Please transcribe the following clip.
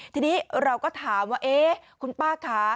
ทีนี้เราก็ถามว่าเอ๊ะคุณป้าคะ